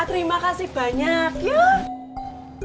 terima kasih banyak yuk